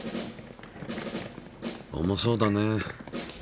重そうだね。